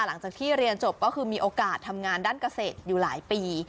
หลังจากที่เรียนจบก็คือมีโอกาสทำงานด้านเกษตรอยู่หลายปี